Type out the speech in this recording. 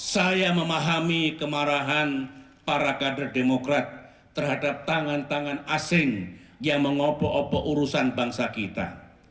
saya memahami kemarahan para kader demokrat terhadap tangan tangan asing yang mengopoh opo urusan bangsa kita